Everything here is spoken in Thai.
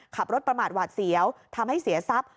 ขับรถประมาทหวาดเสียวทำให้เสียทรัพย์